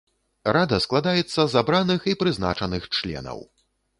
Рада складаецца з абраных і прызначаных членаў.